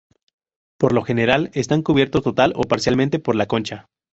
Por lo general, están cubiertos total o parcialmente por la concha.